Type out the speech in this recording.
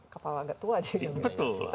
kapalnya kapal agak tua